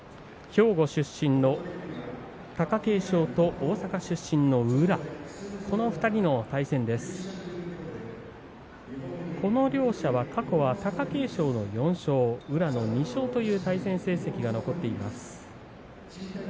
兵庫出身の貴景勝と大阪出身の宇良、２人の対戦です。両者は、貴景勝の４勝宇良の２勝という対戦成績が残っています。